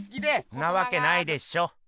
んなわけないでしょ！